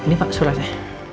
ini pak suratnya